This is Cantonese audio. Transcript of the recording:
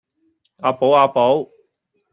啊寶啊寶